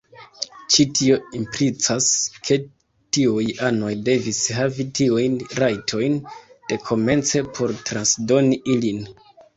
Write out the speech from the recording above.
Ĉi tio implicas ke tiuj anoj devis havi tiujn rajtojn dekomence por transdoni ilin.